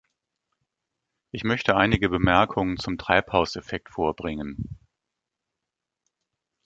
Ich möchte einige Bemerkungen zum Treibhauseffekt vorbringen.